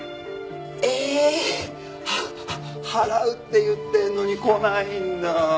ええ！は払うって言ってるのに来ないんだ。